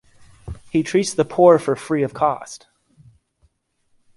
He treats the poor for free of cost.